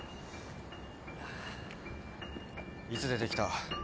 いつ出てきた？